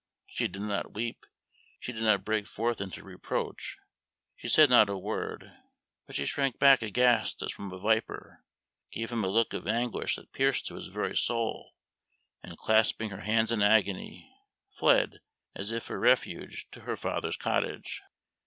She did not weep; she did not break forth into reproach; she said not a word, but she shrunk back aghast as from a viper, gave him a look of anguish that pierced to his very soul, and, clasping her hands in agony, fled, as if for refuge, to her father's cottage.